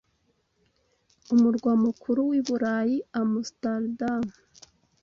umurwa mukuru wiburayi Amsterdam